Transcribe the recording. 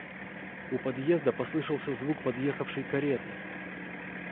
У подъезда послышался звук подъехавшей кареты.